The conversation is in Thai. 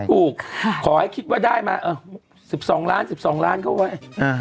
ถูกขอให้คิดว่าได้มา๑๒ล้านเข้าไว้